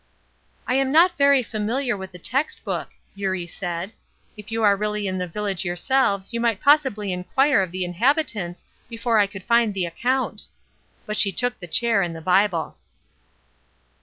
"I am not very familiar with the text book," Eurie said. "If you are really in the village yourselves you might possibly inquire of the inhabitants before I could find the account." But she took the chair and the Bible.